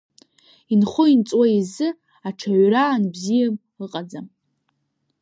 Инхо-инҵуа изы аҽаҩра анбзиам ыҟаӡам.